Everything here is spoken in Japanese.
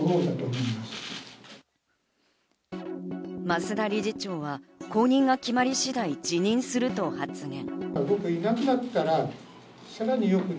増田理事長は後任が決まり次第、辞任すると発言。